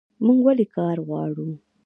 موږ ولې کار غواړو؟